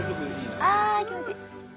ああ気持ちいい！